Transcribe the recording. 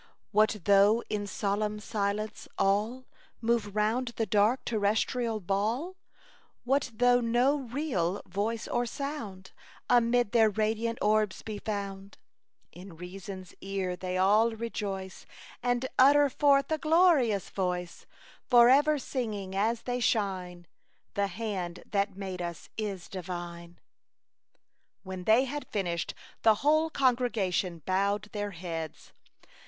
What though, in solemn silence, all Move round the dark, terrestrial ball } What though no real voice or sound Amid their radiant orbs be found } k^%^% loo A Chautauqua Idyl. In reasotis ear they all rejoice, And utter forth a glorious voice, Forever singing as they shine, The hand that made us is divine. When they had finished, the whole congregation bowed their heads.